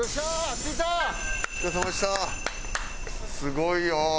すごいよ。